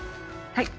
はい。